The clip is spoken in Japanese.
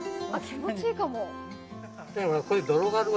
気持ちいいかも。